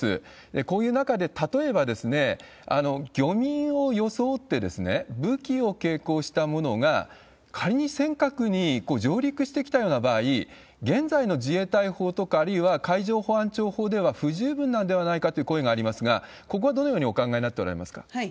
こういう中で、例えば漁民を装って武器を携行したものが、仮に尖閣に上陸してきたような場合、現在の自衛隊法とか、あるいは海上保安庁法では不十分なんではないかという声がありますが、ここをどのようにお考えになっておられますか？